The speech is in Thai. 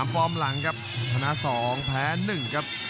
ฟอร์มหลังครับชนะ๒แพ้๑ครับ